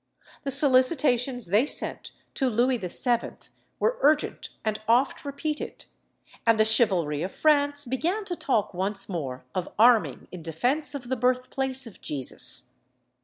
The solicitations they sent to Louis VII. were urgent and oft repeated, and the chivalry of France began to talk once more of arming in defence of the birthplace of Jesus.